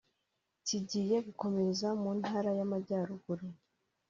Kigiye gukomereza mu ntara y’Amajyaruguru